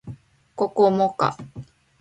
ここもか